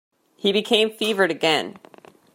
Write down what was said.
He became fevered again.